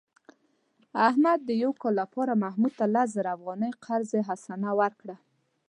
احمد د یو کال لپاره محمود ته لس زره افغانۍ قرض حسنه ورکړه.